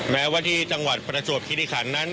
แม้ว่าที่จังหวัดประจวบคิริขันนั้น